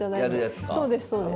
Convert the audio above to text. そうですそうです。